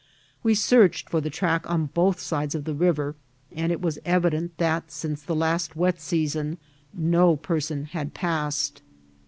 We searched for the track on both sides of the river, and it was evident that since the last wet season no person had passed.